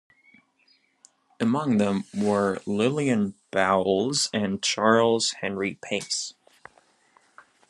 Among them were Lillian Bowles and Charles Henry Pace.